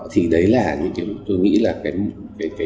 thì đấy là những kiểu tôi nghĩ là